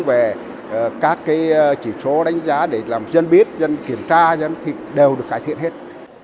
và chỉ số đánh giá để làm dân biết dân kiểm tra dân thị đều được cải thiện hết